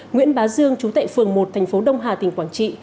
nguyễn bá dương chú tệ phường một thành phố đông hà tỉnh quảng trị